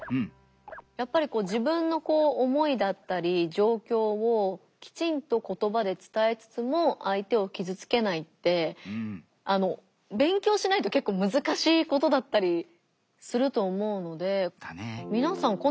やっぱり自分の思いだったり状況をきちんと言葉で伝えつつも相手を傷つけないって勉強しないと結構難しいことだったりすると思うので。